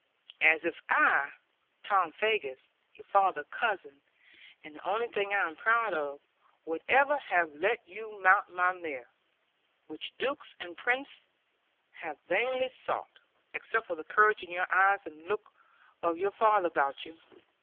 As if I, Tom Faggus, your father's cousin and the only thing I am proud of would ever have let you mount my mare, which dukes and princes have vainly sought, except for the courage in your eyes, and the look of your father about you.